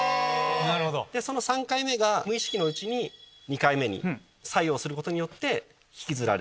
その３回目が無意識のうちに２回目に作用することによって引きずられる。